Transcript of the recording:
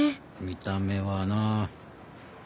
見た目はな。